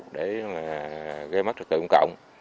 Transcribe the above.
để gây mất trật tự công cộng